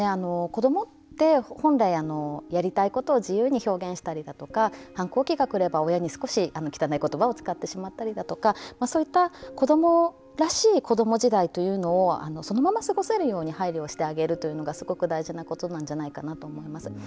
子どもって本来やりたいことを自由に表現したりだとか反抗期がくれば親に少し汚い言葉を使ってしまったりだとかそういった子どもらしい子ども時代というのをそのまま過ごせるように配慮をしてあげるというのがすごく大事なことなんじゃないかなと思います。